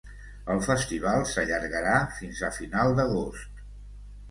El festival s’allargarà fins a final d’agost.